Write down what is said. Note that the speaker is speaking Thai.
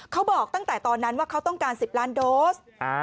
เขาบอกตั้งแต่ตอนนั้นว่าเขาต้องการ๑๐ล้านโดส